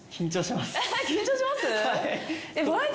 緊張します？